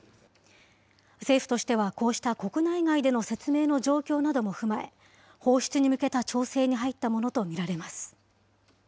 政府としてはこうした国内外での説明の状況なども踏まえ、放出に向けた調整に入ったものと見られます。